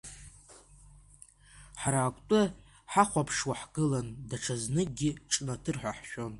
Ҳара акәты ҳахәаԥшуа ҳгылан, даҽазныкгьы ҿнаҭыр ҳәа ҳшәон.